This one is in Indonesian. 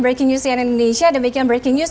breaking news cn indonesia dan memikirkan breaking news